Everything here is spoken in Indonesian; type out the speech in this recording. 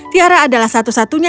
tiara adalah satu satunya